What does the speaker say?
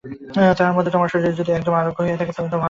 তাহার মধ্যে তোমার শরীর যদি একদম আরোগ্য হইয়া থাকে তো বড়ই ভাল।